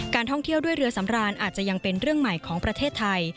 ท่องเที่ยวด้วยเรือสำราญอาจจะยังเป็นเรื่องใหม่ของประเทศไทย